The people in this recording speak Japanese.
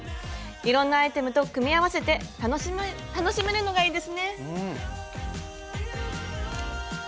いろんなアイテムと組み合わせて楽しめるのがいいですね。